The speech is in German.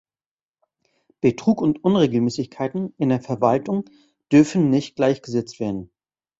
Betrug und Unregelmäßigkeiten in der Verwaltung dürfen nicht gleichgesetzt werden.